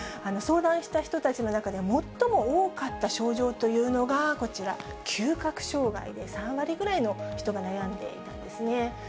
相談した人たちの中で最も多かった症状というのがこちら、嗅覚障害で３割ぐらいの人が悩んでいたんですね。